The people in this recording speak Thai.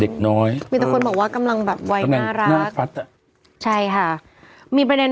น้อยมีแต่คนบอกว่ากำลังแบบวัยน่ารักน่าฟัดอ่ะใช่ค่ะมีประเด็น